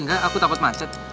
engga aku takut macet